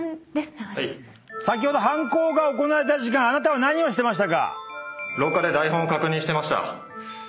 先ほど犯行が行われた時間あなたは何をしてましたか？